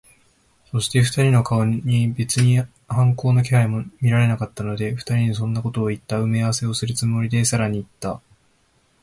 そして、二人の顔に別に反抗の気配も見られなかったので、二人にそんなことをいった埋合せをするつもりで、さらにいった。